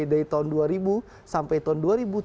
dari tahun dua ribu sampai tahun dua ribu tujuh belas